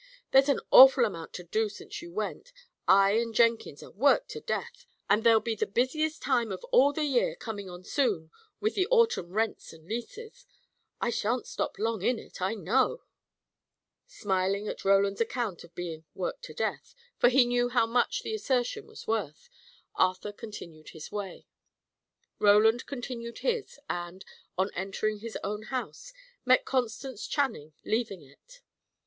There's an awful amount to do since you went. I and Jenkins are worked to death. And there'll be the busiest time of all the year coming on soon, with the autumn rents and leases. I shan't stop long in it, I know!" Smiling at Roland's account of being "worked to death," for he knew how much the assertion was worth, Arthur continued his way. Roland continued his, and, on entering his own house, met Constance Channing leaving it.